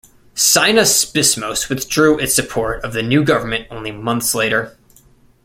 Synaspismos withdrew its support of the new government only months later.